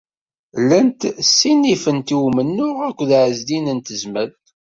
Llant ssinifent i umennuɣ akked Ɛezdin n Tezmalt.